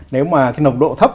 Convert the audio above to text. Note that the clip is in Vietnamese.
nếu mà cái nồng độ thấp